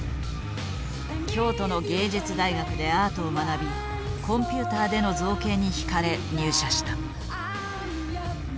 京都の芸術大学でアートを学びコンピューターでの造形にひかれ入社した。